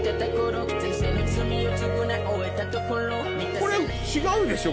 これ違うでしょ？